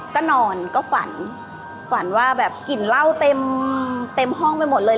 ก็นอนก็ฝันฝันว่าแบบกลิ่นเหล้าเต็มห้องไปหมดเลย